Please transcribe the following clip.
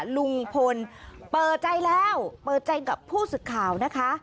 ลุงพลเปิดใจแล้วเปิดใจกับผู้สื่อข่าวนะคะ